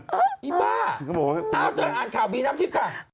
ก็จะอรับข่าวบีนั่นทีบค่ะ